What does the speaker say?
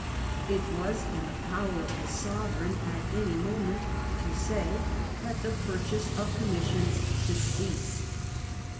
It was in the power of the sovereign at any moment to say that the purchase of commissions should cease.